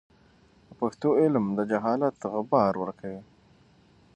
په پښتو علم د جهالت غبار ورکوي.